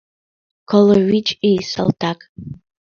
Коло вич ий — салтак.